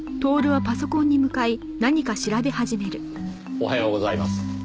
おはようございます。